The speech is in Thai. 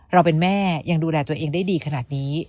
เราเป็นแม่ยังดูแลตัวเองได้ดีขนาดนี้